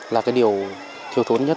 là cái điều thiếu thốn nhất